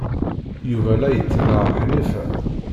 Yuba la yettnaɣ Ḥnifa.